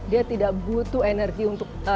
dia tidak butuh energi untuk